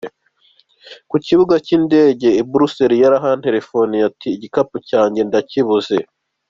Ku kibuga cy’indege i Buruseli yarantelefonnye ati igikapu cyanjye ndakibuze.